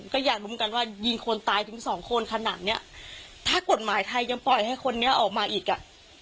ก็อยากรู้เหมือนกันว่ายิงคนตายถึงสองคนขนาดเนี้ยถ้ากฎหมายไทยยังปล่อยให้คนนี้ออกมาอีกอ่ะ